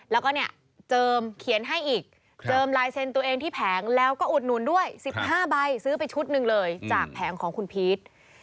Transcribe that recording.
แล้วก็เนี่ยเจิมเขียนให้อีกเจิมลายเซ็นต์ตัวเองที่แผงแล้วก็อุดหนุนด้วย๑๕ใบซื้อไปชุดหนึ่งเลยจากแผงของคุณพีช